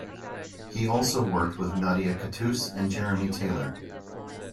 He also worked with Nadia Cattouse and Jeremy Taylor.